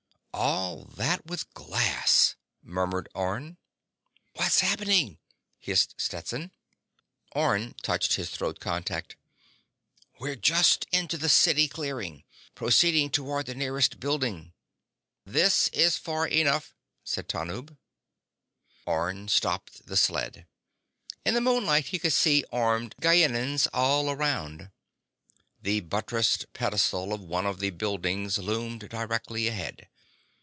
"All that with glass," murmured Orne. "What's happening?" hissed Stetson. Orne touched his throat contact. "We're just into the city clearing, proceeding toward the nearest building." "This is far enough," said Tanub. Orne stopped the sled. In the moonlight, he could see armed Gienahns all around. The buttressed pedestal of one of the buildings loomed directly ahead.